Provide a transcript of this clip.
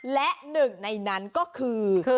และหนึ่งในนั้นก็คือ